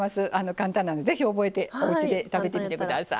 簡単なんでぜひ覚えておうちで食べてみて下さい。